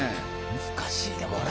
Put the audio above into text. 難しいでこれ。